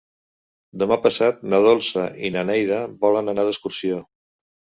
Demà passat na Dolça i na Neida volen anar d'excursió.